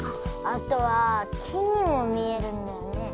あとはきにもみえるんだよね。